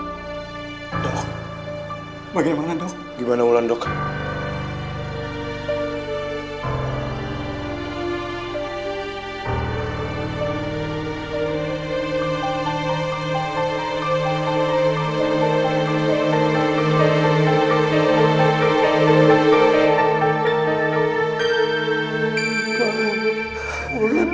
dokter ini bagaimana keadaan putri saya dokter